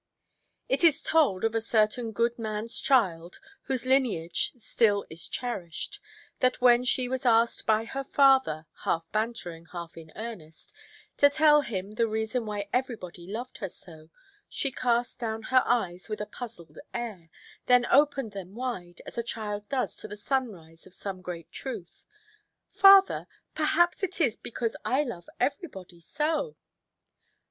It is told of a certain good manʼs child, whose lineage still is cherished, that when she was asked by her father (half–bantering, half in earnest) to tell him the reason why everybody loved her so, she cast down her eyes with a puzzled air, then opened them wide, as a child does to the sunrise of some great truth—"Father, perhaps it is because I love everybody so".